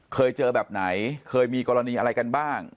เคยเจอแบบไหนเคยมีกรณีอะไรกันบ้าง